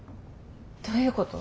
どういうこと？